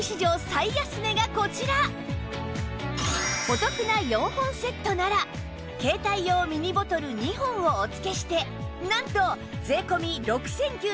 お得な４本セットなら携帯用ミニボトル２本をお付けしてなんと税込６９８０円